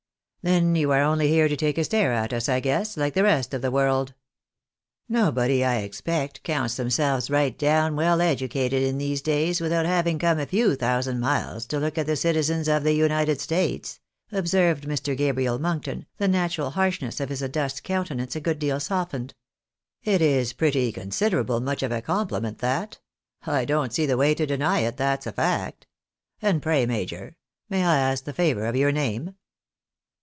" Then you are only here to take a stare at us, I guess, like the rest of the world. Nobody, I expect, counts themselves right down well educated in these days without having come a few thousand miles to look at the citizens of the United States," ob served jNIr. Gabriel Monkton, the natural harshness of his adust countenance a good deal softened. "It is pretty considerable much of a compliment that ; I don't see the way to deny it, that's a fact. And pray, major, may I ask the favour of your name